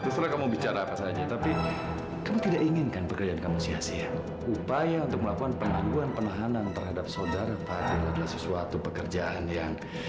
sampai jumpa di video selanjutnya